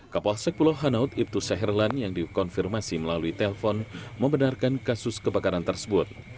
kapol sek pulau hanaut ibtu seherlan yang dikonfirmasi melalui telpon membenarkan kasus kebakaran tersebut